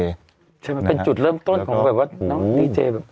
ใช่ไหมเป็นจุดเริ่มต้นของแบบว่าน้องดีเจแบบ